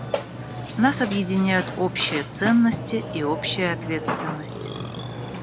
Нас объединяют общие ценности и общая ответственность.